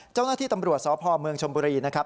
เจ้าหน้าที่ตำรวจสพเมืองชมบุรีนะครับ